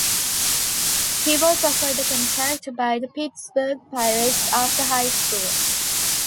He was offered a contract by the Pittsburgh Pirates after high school.